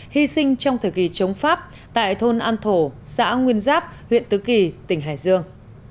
hy sinh trong thời kỳ chống pháp tại thôn an thổ xã nguyên giáp huyện tứ kỳ tỉnh hải dương